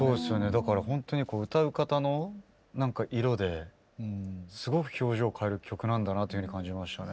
だからほんとに歌う方の色ですごく表情を変える曲なんだなというふうに感じましたね。